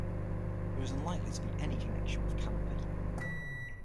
There is unlikely to be any connection with "canopy".